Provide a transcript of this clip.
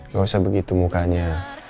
gak usah begitu mukanya